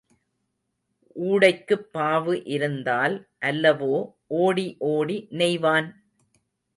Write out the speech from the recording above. ஊடைக்குப் பாவு இருந்தால் அல்லவோ ஓடி ஓடி நெய்வான்?